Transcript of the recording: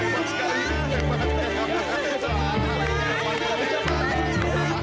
aku capek mau pulang